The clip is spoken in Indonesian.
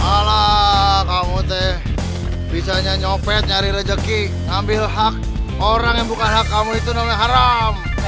alah kamu teh bisanya nyopet nyari rejeki ambil hak orang yang bukan hak kamu itu namanya haram